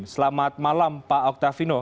selamat malam pak octavino